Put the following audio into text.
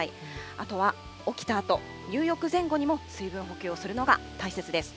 あとは起きたあと、入浴前後にも水分補給するのが大事です。